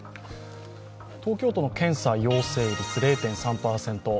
東京都の検査陽性率０．３％